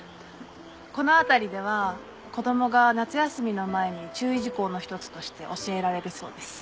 この辺りでは子供が夏休みの前に注意事項の一つとして教えられるそうです。